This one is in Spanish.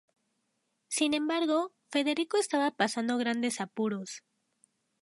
Sin embargo, Federico estaba pasando grandes apuros.